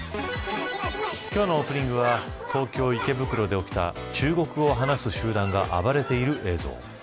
今日のオープニングは東京池袋で起きた中国語を話す集団が暴れている映像。